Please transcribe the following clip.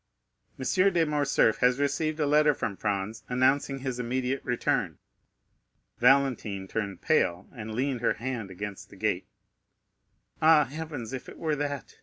"Monsieur de Morcerf has received a letter from Franz, announcing his immediate return." Valentine turned pale, and leaned her hand against the gate. "Ah heavens, if it were that!